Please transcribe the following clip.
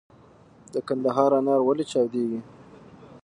د کندهار انار ولې چاودیږي؟